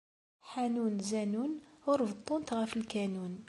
Ḥanun zanun, ur beṭṭunt ɣef lkanun.